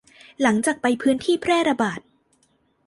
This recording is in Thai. หลังจากไปพื้นที่แพร่ระบาด